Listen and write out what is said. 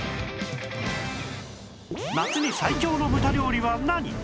夏に最強の豚料理は何？